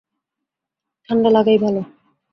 ঠান্ডা লাগাই ভালো।